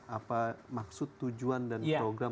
apa maksud tujuan dan program